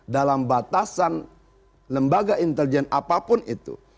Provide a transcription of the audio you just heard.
dalam batasan lembaga intelijen apapun itu